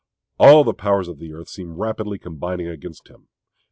All the powers of earth seem rapidly combining against him.